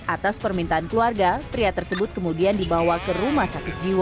atas permintaan keluarga pria tersebut kemudian dibawa ke rumah sakit jiwa